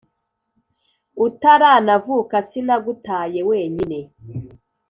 utaranavuka sinagutaye wenyine